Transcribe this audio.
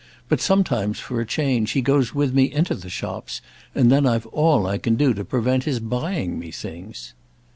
But sometimes, for a change, he goes with me into the shops, and then I've all I can do to prevent his buying me things."